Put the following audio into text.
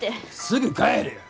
すぐ帰るよ。